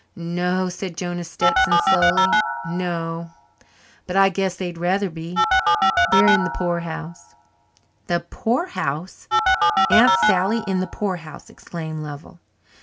"No," said Jonah Stetson slowly, "no but I guess they'd rather be. They're in the poorhouse." "The poorhouse! Aunt Sally in the poorhouse!" exclaimed Lovell.